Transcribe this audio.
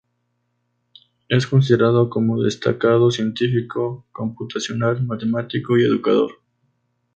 Es considerado como destacado científico computacional, matemático y educador.